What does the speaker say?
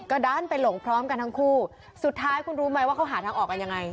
ก็ดันไปหลงพร้อมกันทั้งคู่สุดท้ายคุณรู้ไหมว่าเขาหาทางออกกันยังไง